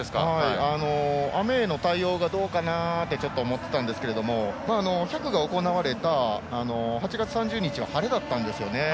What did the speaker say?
雨への対応がどうかなってちょっと思ってたんですけれども１００が行われた８月３０日は晴れだったんです。